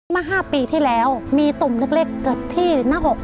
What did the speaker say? มา๕ปีที่แล้วมีตุ่มเล็กเกิดที่นัก๖